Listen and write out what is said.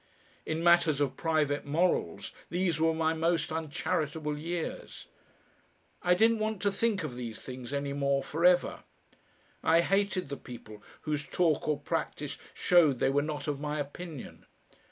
In matters of private morals these were my most uncharitable years. I didn't want to think of these things any more for ever. I hated the people whose talk or practice showed they were not of my opinion.